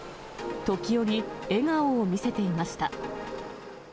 時折、笑顔を見せていました。